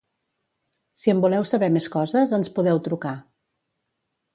Si en voleu saber més coses, ens podeu trucar.